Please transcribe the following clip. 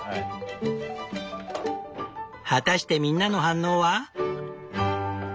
果たしてみんなの反応は？